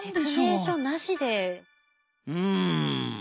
うん。